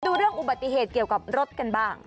ดูเรื่องอุบัติเหตุเกี่ยวกับรถกันบ้าง